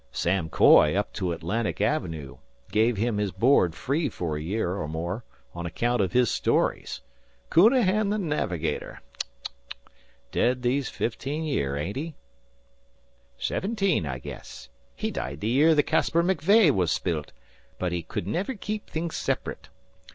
Sam Coy, up to Atlantic Avenoo, give him his board free fer a year or more on account of his stories. "Counahan the Navigator! Tck! Tck! Dead these fifteen year, ain't he?" "Seventeen, I guess. He died the year the Caspar McVeagh was built; but he could niver keep things sep'rate.